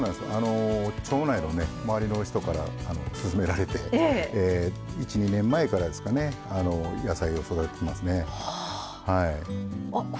町内の周りの人から勧められて、１２年前から野菜を育ててますね。